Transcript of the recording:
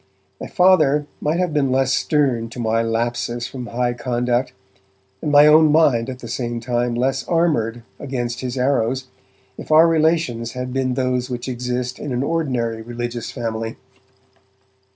My Father might have been less stern to my lapses from high conduct, and my own mind at the same time less armoured against his arrows, if our relations had been those which exist in an ordinary religious family.